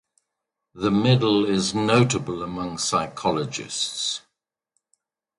The medal is notable among psychologists.